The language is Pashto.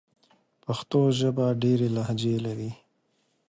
پښتو ژبه ډېري لهجې لري.